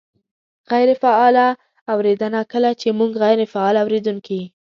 -غیرې فعاله اورېدنه : کله چې مونږ غیرې فعال اورېدونکي